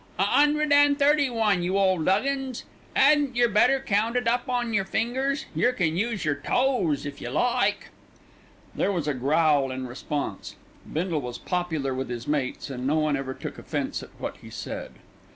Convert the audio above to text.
"A 'undred an' thirty one, you ole 'Uggins. 'Adn't yer better count it up on yer fingers? Yer can use yer toes if yer like." There was a growl in response. Bindle was popular with his mates, and no one ever took offence at what he said.